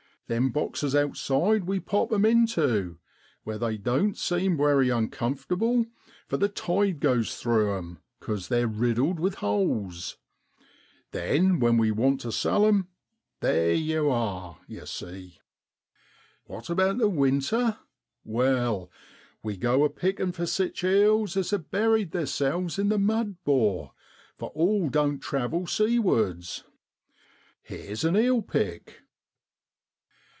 Them boxes outside we pop 'em intu, where they doan't seem wery uncomfortable, for the tide goes through 'em, 'cos they're riddled with holes; then when we want to sell 'em, there yow are, yer see! 1 What about the winter? Wai, we go a pickin' for sich eels as have buried theerselves in the mud, 'bor, for all doan't travel seawards. Here's a eel pick.